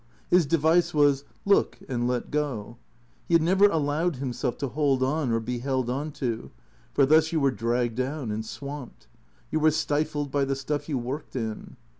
His device was, "Look and let go." He had never allowed himself to hold on or be held on to; for thus you were dragged down and swamped; you were stifled by the stuff you worked in.